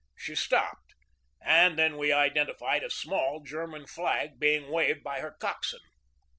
She stopped, and then we identified a small German flag being waved by her coxswain.